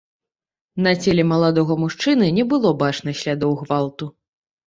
На целе маладога мужчыны не было бачных слядоў гвалту.